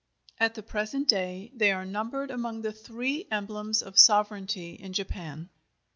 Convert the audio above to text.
At the present day they are numbered among the three emblems of sovereignty in Japan.